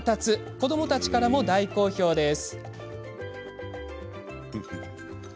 子どもたちからも大好評です。